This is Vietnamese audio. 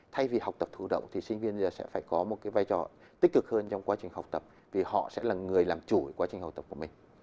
thay vì học tập thụ động thì sinh viên giờ sẽ phải có một vai trò tích cực hơn trong quá trình học tập vì họ sẽ là người làm chủ quá trình học tập của mình